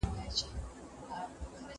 مذهب انسان ته رواني ارامتیا ورکوي.